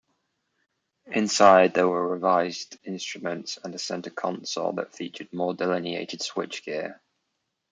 Inside, there were revised instruments and a centre console that featured more delineated switchgear.